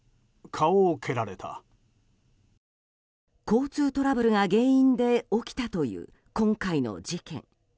交通トラブルが原因で起きたという今回の事件。